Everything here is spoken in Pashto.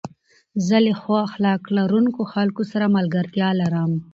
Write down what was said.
زه له ښو اخلاق لرونکو خلکو سره ملګرتيا کوم.